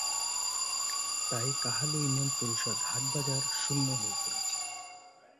তাই কাহালু ইউনিয়ন পরিষদ হাট বাজার শূন্য হয়ে পড়েছে।